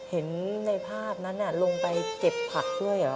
เห็นในภาพนั้นลงไปเก็บผักด้วยเหรอ